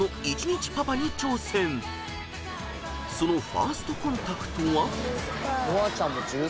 ［そのファーストコンタクトは］